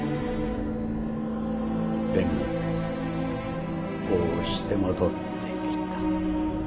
でもこうして戻ってきた。